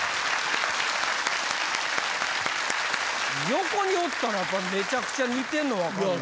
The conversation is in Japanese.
横におったらやっぱめちゃくちゃ似てんの分かるな。